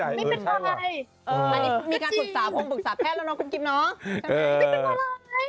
ไม่เป็นไรอันนี้มีการปรึกษาพงปรึกษาแพทย์แล้วเนาะกุ๊กกิ๊บเนาะ